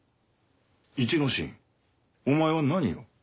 一之進お前は何を？